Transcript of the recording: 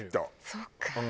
そうか。